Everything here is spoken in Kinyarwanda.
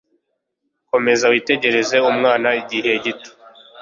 Komeza witegereze umwana igihe gito.